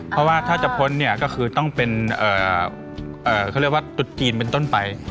เพราะว่าถ้าจะพ้นเนี่ยก็คือต้องเป็นเขาเรียกว่าตุดจีนเป็นต้นไป